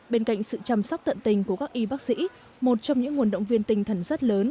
bên cạnh sự chăm sóc tận tình của các y bác sĩ một trong những nguồn động viên tình thần rất lớn